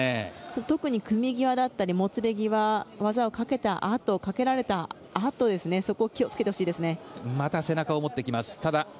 特に組み際だったりもつれ際、技をかけたあとかけられたあとそこを気をつけてほしいです。